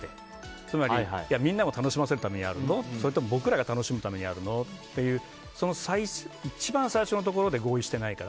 つまりみんなを楽しませるためにやるのそれとも僕らが楽しむためにやるのっていうその一番最初のところで合意してないから。